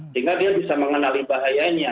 sehingga dia bisa mengenali bahayanya